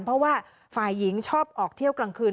เพราะว่าฝ่ายหญิงชอบออกเที่ยวกลางคืน